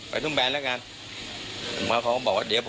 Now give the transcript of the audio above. พี่สมหมายก็เลย